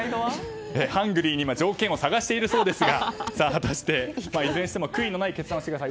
ハングリーに条件を探しているそうですがいずれにしても悔いのない決断をしてください。